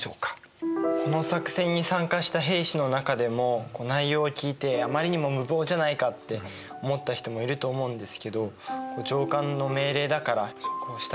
この作戦に参加した兵士の中でも内容を聞いてあまりにも無謀じゃないかって思った人もいると思うんですけど上官の命令だから従うしかなかったって。